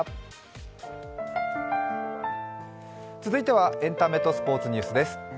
続いては、エンタメとスポーツニュースです。